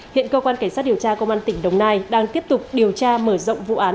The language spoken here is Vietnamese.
hiện cơ quan cảnh sát điều tra công an tỉnh đồng nai đang tiếp tục điều tra mở rộng vụ án